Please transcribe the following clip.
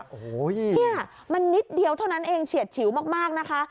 โอ้โหเนี่ยมันนิดเดียวเท่านั้นเองเฉียดฉิวมากนะคะ